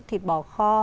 thịt bò kho